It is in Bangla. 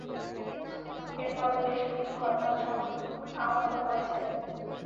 এর ফলে বেশ কিছু হরতাল সমর্থক আহত হয়েছেন।